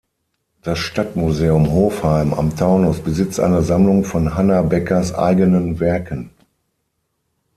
Das Stadtmuseum Hofheim am Taunus besitzt eine Sammlung von Hanna Bekkers eigenen Werken.